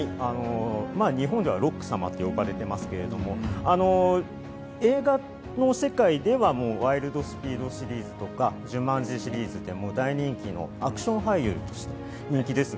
日本ではロック様と呼ばれていますが、映画の世界では『ワイルド・スピード』シリーズとか『ジュマンジ』シリーズでも大人気のアクション俳優として人気です。